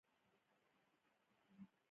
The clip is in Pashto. آیا د یو سوکاله ژوند لپاره نه ده؟